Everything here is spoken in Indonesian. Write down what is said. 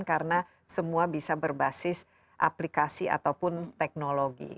karena semua bisa berbasis aplikasi ataupun teknologi